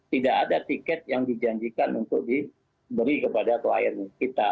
tidak ada tiket yang dijanjikan untuk diberi kepada klien kita